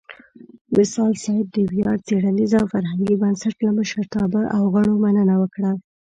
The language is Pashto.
وصال صېب د ویاړ څیړنیز او فرهنګي بنسټ لۀ مشرتابۀ او غړو مننه وکړه